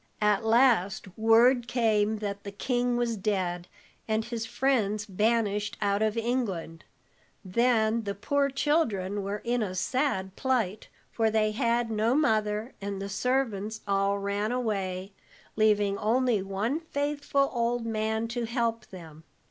At last, word came that the king was dead and his friends banished out of England. Then the poor children were in a sad plight, for they had no mother, and the servants all ran away, leaving only one faithful old man to help them."